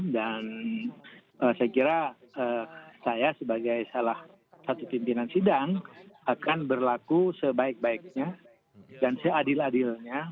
dan saya kira saya sebagai salah satu pimpinan sidang akan berlaku sebaik baiknya dan seadil adilnya